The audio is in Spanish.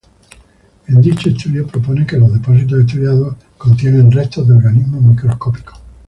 En dicho estudio proponen que los depósitos estudiados contienen restos de organismos microscópicos.